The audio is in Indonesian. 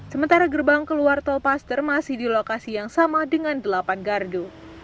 sementara gerbang keluar tol paster masih di lokasi yang sama dengan delapan gardu